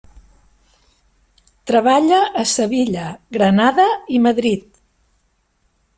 Treballa a Sevilla, Granada i Madrid.